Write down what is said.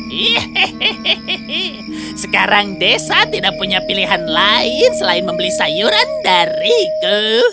hehehe sekarang desa tidak punya pilihan lain selain membeli sayuran dariku